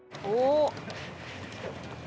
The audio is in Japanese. お？